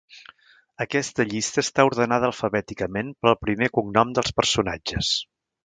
Aquesta llista està ordenada alfabèticament pel primer cognom dels personatges.